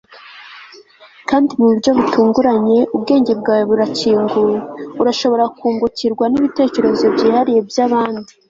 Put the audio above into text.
kandi mu buryo butunguranye ubwenge bwawe burakinguye urashobora kungukirwa n'ibitekerezo byihariye by'abandi